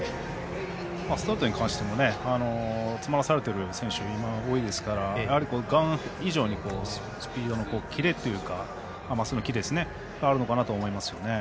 ストレートに関しても詰まらされてる選手多いですからガン以上にスピードのキレがあるのかなと思います。